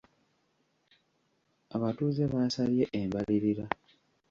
Abatuuze baasabye embalirira.